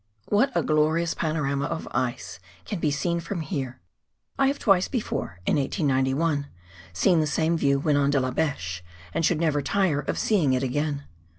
What a glorious panorama of ice can be seen from here ! I have twice before — in 1891 — seen the same view when on De la Beche, and should never tire of seeing it again.